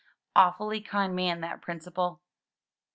Awfully kind man, that Principal !